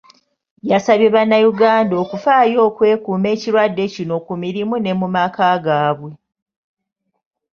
Yasabye bannayuganda okufaayo okwekuuma ekirwadde kino ku mirimu ne mu maka gaabwe.